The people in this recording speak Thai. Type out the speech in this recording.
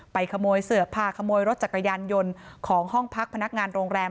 ขโมยเสือพาขโมยรถจักรยานยนต์ของห้องพักพนักงานโรงแรม